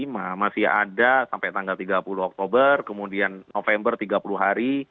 masih ada sampai tanggal tiga puluh oktober kemudian november tiga puluh hari